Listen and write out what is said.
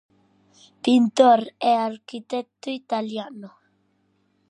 Pintor e arquitecto italiano.